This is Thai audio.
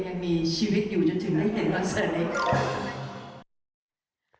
ยังมีชีวิตอยู่จนถึงได้เห็นตอนเสิร์ตในตัวเอง